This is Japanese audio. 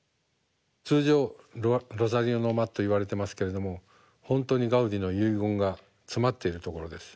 通常「ロザリオの間」といわれてますけれども本当にガウディの遺言が詰まっているところです。